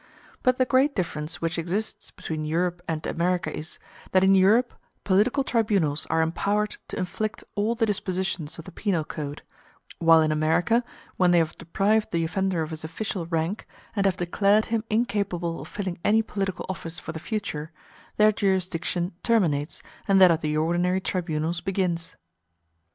But the great difference which exists between Europe and America is, that in Europe political tribunals are empowered to inflict all the dispositions of the penal code, while in America, when they have deprived the offender of his official rank, and have declared him incapable of filling any political office for the future, their jurisdiction terminates and that of the ordinary tribunals begins.